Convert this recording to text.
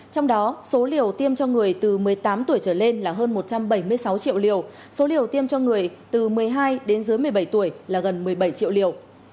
trong đó số liều tiêm cho người từ một mươi tám tuổi trở lên là hơn một trăm bảy mươi sáu triệu liều số liều tiêm cho người từ một mươi hai đến dưới một mươi bảy tuổi là gần một mươi bảy triệu liều